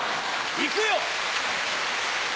行くよ！